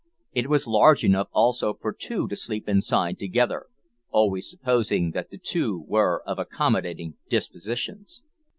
It was large enough also for two to sleep inside together, always supposing that the two were of accommodating dispositions!